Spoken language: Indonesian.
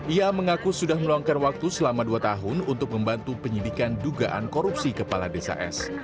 ia mengaku sudah meluangkan waktu selama dua tahun untuk membantu penyidikan dugaan korupsi kepala desa s